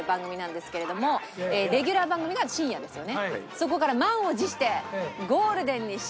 そこから満を持して。